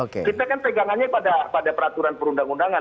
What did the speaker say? kita kan pegangannya pada peraturan perundang undangan